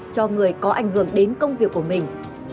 cho người có ảnh hưởng đến công việc của mình